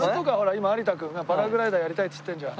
今有田君がパラグライダーやりたいって言ってるじゃん。